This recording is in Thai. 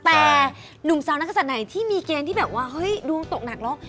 แต่หนุ่มสาวนักศัตริย์ไหนที่มีเกณฑ์ที่แบบว่าเฮ้ยดวงตกหนักแล้ว